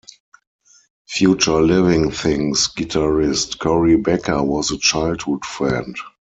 Future Living Things guitarist Cory Becker was a childhood friend.